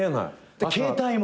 携帯も。